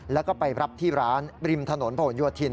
แล้วก็ไปรับที่ร้านริมถนนผนโยธิน